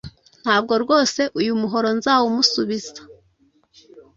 Ntabwo rwose uyu muhoro nzawumusubiza